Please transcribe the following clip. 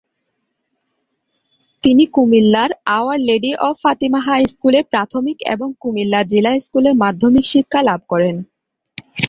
তিনি কুমিল্লার our lady of Fatima high স্কুলে প্রাথমিক ও কুমিল্লা জিলা স্কুলে মাধ্যমিক শিক্ষা লাভ করেন।